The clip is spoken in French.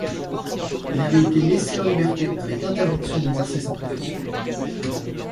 Il avait été laissé en liberté avec interdition d'exercer sa profession.